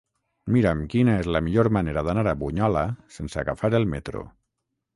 Mira'm quina és la millor manera d'anar a Bunyola sense agafar el metro.